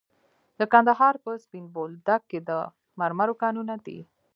د کندهار په سپین بولدک کې د مرمرو کانونه دي.